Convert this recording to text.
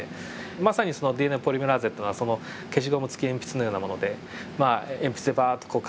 まさにそのＤＮＡポリメラーゼっていうのはその消しゴム付き鉛筆のようなもので鉛筆でばっと書いていく訳ですね。